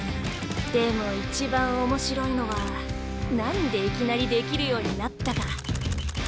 でも一番面白いのは何でいきなりできるようになったか？